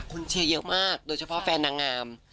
คุณเชียร์เยอะมากโดยเฉพาะแฟนนางงาม